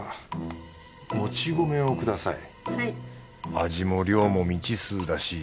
味も量も未知数だし